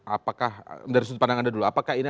apakah dari sudut pandang anda dulu apakah ini